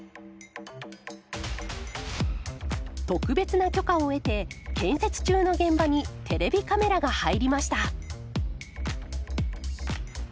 特別な許可を得て建設中の現場にテレビカメラが入りました。